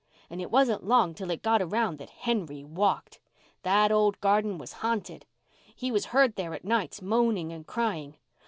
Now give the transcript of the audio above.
And it wasn't long till it got around that Henry walked. That old garden was ha'nted. He was heard there at nights, moaning and crying.